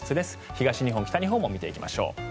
東日本、北日本も見てきましょう。